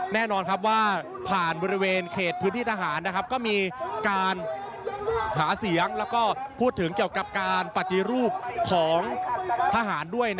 แน่นอนครับว่าผ่านบริเวณเขตพื้นที่ทหารก็มีการหาเสียงแล้วก็พูดถึงเกี่ยวกับการปฏิรูปของทหารด้วย